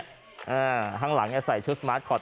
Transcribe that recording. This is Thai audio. อ่าห้างหลังเนี่ยใส่ชุดสมาร์ทคอร์ดเป็นแบบนี้นะครับ